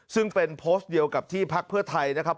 ซึ่งเป็นโพสต์เดียวกับที่พักเพื่อไทยนะครับ